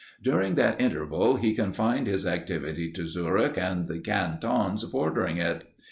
During that interval, he confined his activity to Zurich and the cantons bordering it.